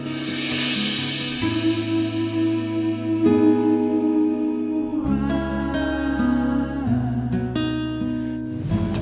ya tak apa